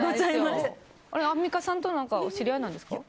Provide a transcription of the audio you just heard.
アンミカさんとお知り合いなんですか？